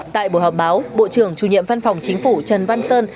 tại buổi họp báo bộ trưởng chủ nhiệm văn phòng chính phủ trần văn sơn